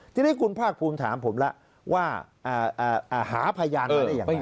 ทีนี้คุณภาคภูมิถามผมแล้วว่าหาพยานมาได้ยังไง